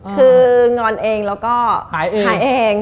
คืองอนเองแล้วก็หายเอง